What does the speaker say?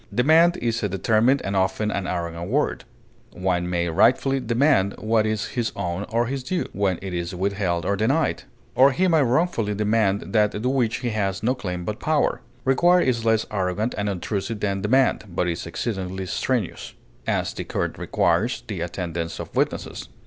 Demand is a determined and often an arrogant word; one may rightfully demand what is his own or his due, when it is withheld or denied; or he may wrongfully demand that to which he has no claim but power. Require is less arrogant and obtrusive than demand, but is exceedingly strenuous; as, the court requires the attendance of witnesses.